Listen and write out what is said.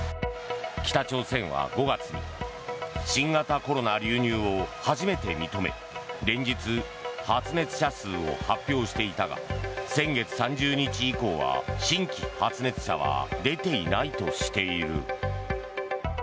北朝鮮は５月に新型コロナ流入を初めて認め連日、発熱者数を発表していたが先月３０日以降は、新規発熱者は出ていないとしている。